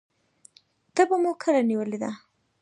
تبه مو کله نیولې ده؟